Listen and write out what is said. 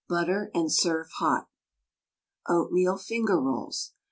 Butter and serve hot. OATMEAL FINGER ROLLS.